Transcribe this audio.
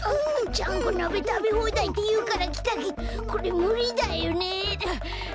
ちゃんこなべたべほうだいっていうからきたけどこれむりだよね。